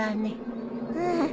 うん。